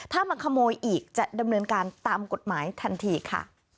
ถ้ามาขโมยอีกจะดำเนินการตามกฎหมายทันทีค่ะ